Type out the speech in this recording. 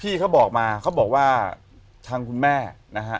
ที่เขาบอกมาเขาบอกว่าทางคุณแม่นะฮะ